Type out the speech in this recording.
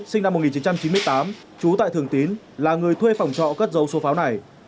sinh năm một nghìn chín trăm chín mươi tám trú tại thường tín là người thuê phòng trọ cất dấu số pháo này